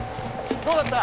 どうだった？